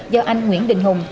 do anh nguyễn đình hùng